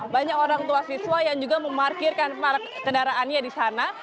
banyak orang tua siswa yang juga memarkirkan kendaraannya di sana